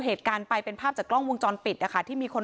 เหตุการณ์ไปเป็นภาพจากกล้องวงจรปิดนะคะที่มีคน